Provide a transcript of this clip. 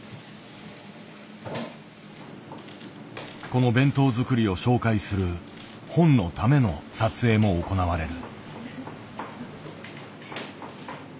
この弁当作りを紹介する本のための撮影も行われる。